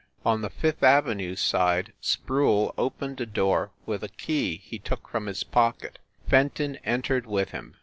On the Fifth Avenue side Sproule opened a door with a key he took from his pocket. Fenton entered with him.